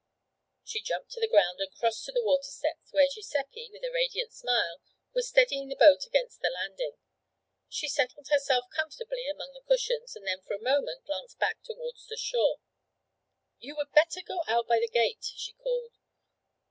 She jumped to the ground and crossed to the water steps, where Giuseppe, with a radiant smile, was steadying the boat against the landing. She settled herself comfortably among the cushions and then for a moment glanced back towards shore. 'You would better go out by the gate,' she called.